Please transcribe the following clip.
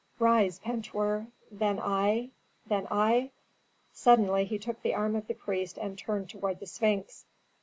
"Rise, Pentuer! Then I then I " Suddenly he took the arm of the priest and turned toward the Sphinx.